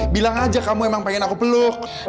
bilang aja kamu emang pengen aku peluk